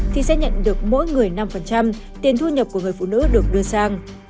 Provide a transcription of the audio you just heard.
thì sẽ nhận được mỗi người năm tiền thu nhập của người phụ nữ được đưa sang